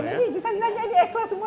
dan ini bisa dinyatakan ikhlas semua